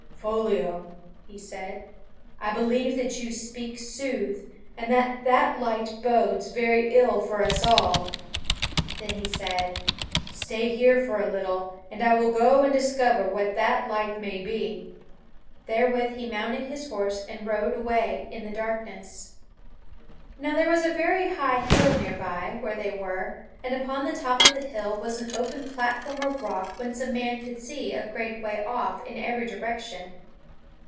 "Foliot," he said, "I believe that you speak sooth and that that light bodes very ill for us all." Then he said: "Stay here for a little and I will go and discover what that light may be." Therewith he mounted his horse and rode away in the darkness. [Sidenote: King Ban beholdeth the burning of Trible] Now there was a very high hill near by where they were, and upon the top of the hill was an open platform of rock whence a man could see a great way off in every direction.